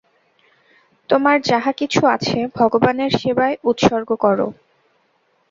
তোমার যাহা কিছু আছে, ভগবানের সেবায় উৎসর্গ কর।